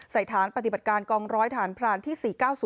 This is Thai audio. สถานปฏิบัติการกองร้อยฐานพรานที่๔๙๐